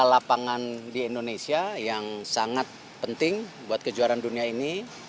lapangan di indonesia yang sangat penting buat kejuaraan dunia ini